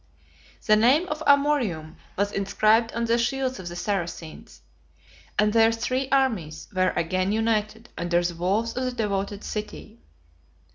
The name of Amorium was inscribed on the shields of the Saracens; and their three armies were again united under the walls of the devoted city.